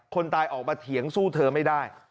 คนตายออกมาเถียงสู้เธอไม่ได้